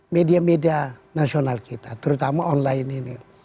media media nasional kita terutama online ini